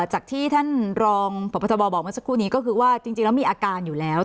จากที่ท่านรองพบทบบอกเมื่อสักครู่นี้ก็คือว่าจริงแล้วมีอาการอยู่แล้ว